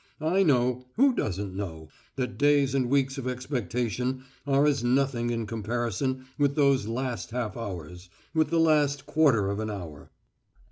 I know who doesn't know? that days and weeks of expectation are as nothing in comparison with those last half hours, with the last quarter of an hour.